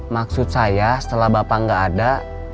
maksud saya setelah bapak nggak ada